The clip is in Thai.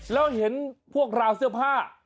แล้วเห็นพวกราวเสื้อผ้า